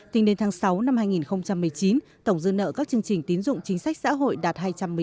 tính đến tháng sáu năm hai nghìn một mươi chín tổng dư nợ các chương trình tín dụng chính sách xã hội đạt